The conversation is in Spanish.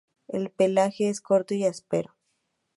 El pelaje es corto y áspero.